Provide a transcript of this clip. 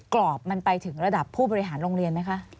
กรอบมันไปถึงระดับผู้บริหารโรงเรียนไหมคะ